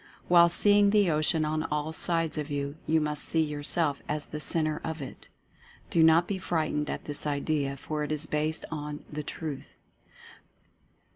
While seeing the Ocean on all sides of you, you must see yourself as the Centre of it. Do not be frightened at this idea, for it is based on the Truth.